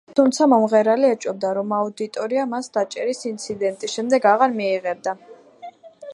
თუმცა მომღერალი ეჭვობდა, რომ აუდიტორია მას დაჭერის ინციდენტის შემდეგ აღარ მიიღებდა.